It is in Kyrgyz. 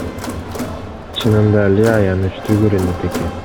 Чынында эле аянычтуу көрүнөт экен.